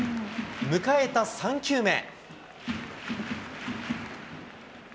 迎えた３球目。